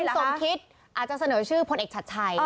สมคิดอาจจะเสนอชื่อพลเอกชัดชัย